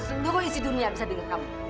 seluruh isi dunia bisa dengar kamu